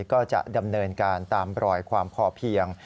ก็จะดำเนินการตามรอยความพอเพียง